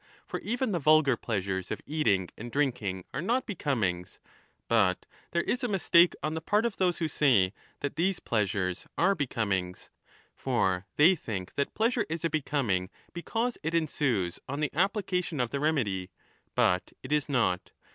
For even the \ ulgar pleasures of eating and drinking are not becomings, but there is a mistake on the part of those who say that these pleasures are becomings. For they think that pleasure is a becoming because it ensues on the application of the remedy ; but it is not.